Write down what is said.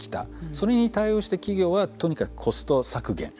それに対応して企業はとにかくコスト削減。